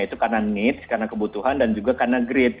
itu karena needs karena kebutuhan dan juga karena grid